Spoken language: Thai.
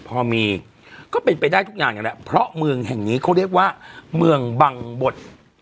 พอมีก็เป็นไปได้ทุกอย่างนั่นแหละเพราะเมืองแห่งนี้เขาเรียกว่าเมืองบังบด